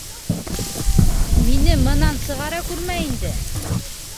Мине мынан сығара күрмә инде?!